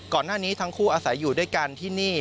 ก่อนหน้านี้ทั้งคู่อาศัยอยู่ด้วยกันที่นี่